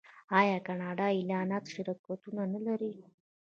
آیا کاناډا د اعلاناتو شرکتونه نلري؟